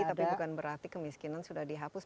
tapi bukan berarti kemiskinan sudah dihapus